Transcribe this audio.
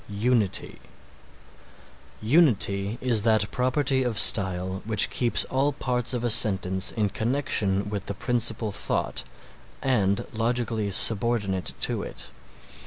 UNITY Unity is that property of style which keeps all parts of a sentence in connection with the principal thought and logically subordinate to it.